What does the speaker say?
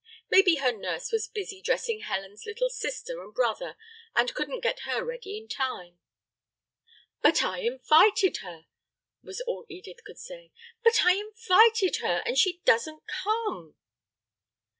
Maybe her nurse was busy dressing Helen's little sister and brother and couldn't get her ready in time." "But I invited her," was all Edith could say; "but I invited her, and she doesn't come."